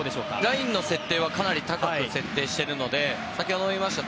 ラインの設定はかなり高く設定しているので先ほども言いました